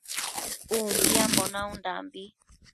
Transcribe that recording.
Umbiambo naundambi